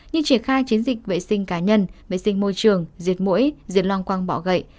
như triển khai chiến dịch vệ sinh cá nhân vệ sinh môi trường diệt mũi diệt loang quang bọ gậy